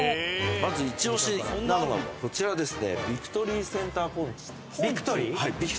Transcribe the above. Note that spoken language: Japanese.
まず一押しなのがこちらです。